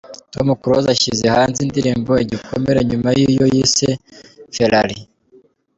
Tom Close ashyize hanze indirimbo “Igikomere” nyuma y’iyo yise “Ferrari”.